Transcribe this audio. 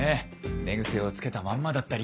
寝癖をつけたまんまだったり。